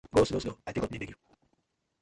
Go slow slow I tak God name beg yu.